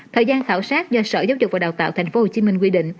thời gian khảo sát do sở giáo dục và đào tạo tp hcm quy định